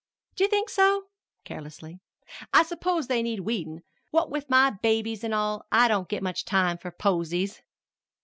"Do you think so?" carelessly; "I s'pose they need weedin'. What with my babies an' all, I don't get much time for posies."